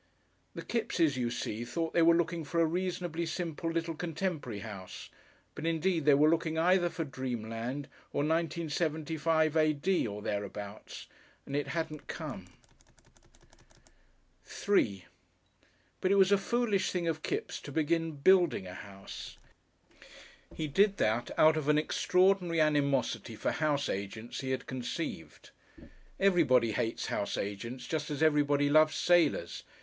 The Kippses, you see, thought they were looking for a reasonably simple little contemporary house, but indeed they were looking either for dreamland or 1975 A.D. or thereabouts, and it hadn't come. §3 But it was a foolish thing of Kipps to begin building a house. He did that out of an extraordinary animosity for house agents he had conceived. Everybody hates house agents just as everybody loves sailors.